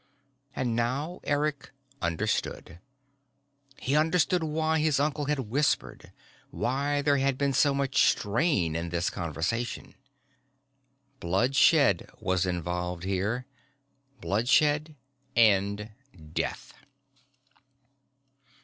And now Eric understood. He understood why his uncle had whispered, why there had been so much strain in this conversation. Bloodshed was involved here, bloodshed and death.